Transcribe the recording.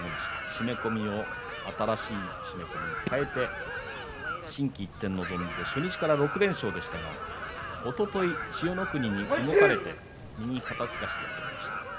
締め込みを新しい締め込みに替えて心機一転臨んで初日から６連勝でしたがおととい千代の国に動かれて右肩すかしで敗れました。